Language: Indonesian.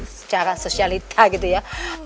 secara sosialita gitu ya